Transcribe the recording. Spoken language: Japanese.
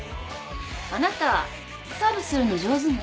あなたサーブするの上手ね。